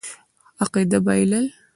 عقیده بایلل.